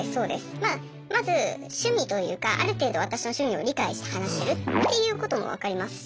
まあまず趣味というかある程度私の趣味を理解して話してるっていうこともわかりますし。